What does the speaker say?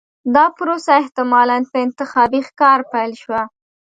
دا پروسه احتمالاً په انتخابي ښکار پیل شوه.